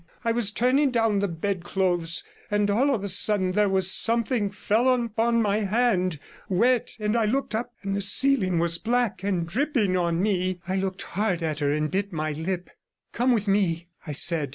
'I was turning down the bed clothes, and all of a sudden there was something fell upon my hand, wet, and I looked up, and the ceiling was black and dripping on me.' I looked hard at her and bit my lip. 'Come with me,' I said.